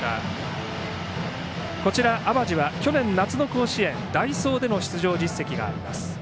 去年夏の甲子園代走での出場実績があります